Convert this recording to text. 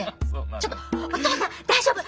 「ちょっとお父さん大丈夫！？